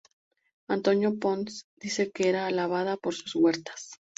Antonio Ponz dice que era alabada "por sus huertas".